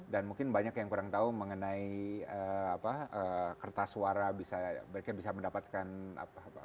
dan mungkin banyak yang kurang tahu mengenai kertas suara bisa mereka bisa mendapatkan apa